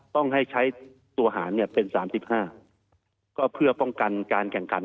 ต้องให้ใช้ตัวหารเป็น๓๕ก็เพื่อป้องกันการแข่งขัน